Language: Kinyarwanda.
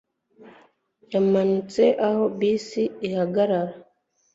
yamanutse aho bisi ihagarara